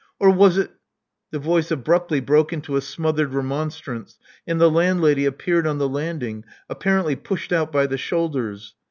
Or was it " The voice abruptly broke into a smothered remonstrance; and the landlady appeared on the landing, apparently pushed out by the shoulders.